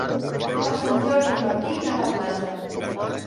Per Sant Jordi en Martí irà a la platja.